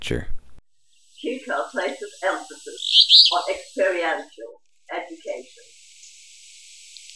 Keuka places emphasis on experiential education.